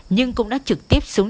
nhưng cũng đã trực tiếp xuống